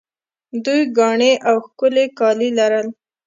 دوی ګاڼې او ښکلي کالي لرل